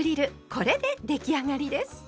これで出来上がりです。